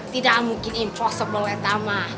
tidak mungkin impossible ya tama